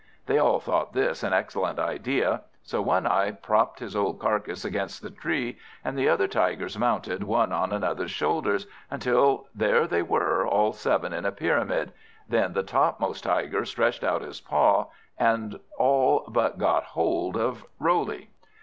They all thought this an excellent idea; so One eye propped his old carcass against the tree, and the other Tigers mounted one on another's shoulders, until there they were, all seven in a pyramid. Then the topmost Tiger stretched out his paw, and all but got hold of Roley.